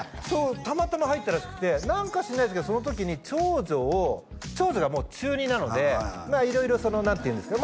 たまたま入ったらしくて何か知んないですけどその時に長女を長女がもう中２なので色々その何ていうんですか？